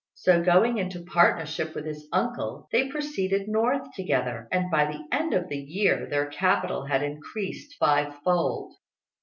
So going into partnership with his uncle, they proceeded north together; and by the end of the year their capital had increased five fold.